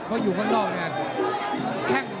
ตามต่อยกที่สองครับ